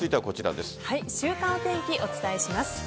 週間お天気をお伝えします。